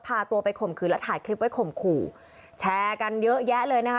พาตัวไปข่มขืนและถ่ายคลิปไว้ข่มขู่แชร์กันเยอะแยะเลยนะคะ